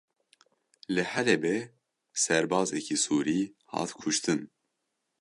Li Helebê serbazekî Sûrî hat kuştin.